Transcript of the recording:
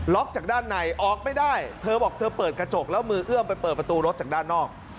จากด้านในออกไม่ได้เธอบอกเธอเปิดกระจกแล้วมือเอื้อมไปเปิดประตูรถจากด้านนอก